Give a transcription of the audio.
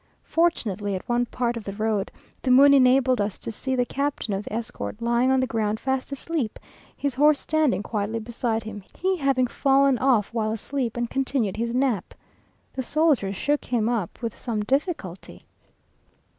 Fortunately, at one part of the road, the moon enabled us to see the captain of the escort lying on the ground fast asleep, his horse standing quietly beside him, he having fallen off while asleep, and continued his nap. The soldiers shook him up with some difficulty.